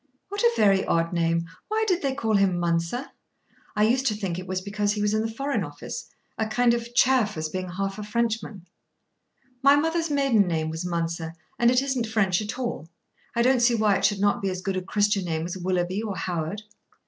What a very odd name. Why did they call him Mounser? I used to think it was because he was in the Foreign Office, a kind of chaff, as being half a Frenchman." "My mother's maiden name was Mounser, and it isn't French at all. I don't see why it should not be as good a Christian name as Willoughby or Howard."